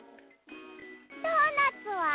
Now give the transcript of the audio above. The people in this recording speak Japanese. ドーナツは？